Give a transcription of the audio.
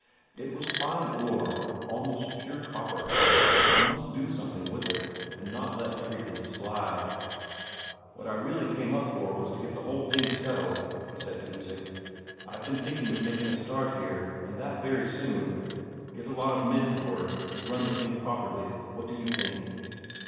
It was fine ore, almost pure copper; he must do something with it, and not let everything slide. "What I really came up for was to get the whole thing settled," he said to Isak. "I've been thinking of making a start here, and that very soon. Get a lot of men to work, and run the thing properly. What do you think?"